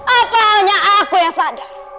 apa hanya aku yang sadar